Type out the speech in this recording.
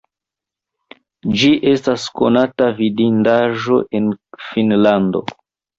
Ĝi estas konata vidindaĵo en Finnlando.